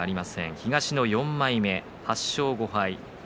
東の４枚目、８勝５敗。